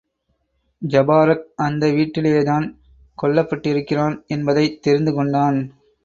ஜபாரக் அந்த வீட்டிலேதான் கொல்லப்பட்டிருக்கிறான் என்பதைத் தெரிந்து கொண்டான்.